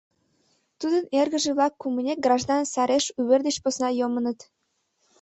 Тудын эргыже-влак кумынек граждан сареш увер деч посна йомыныт.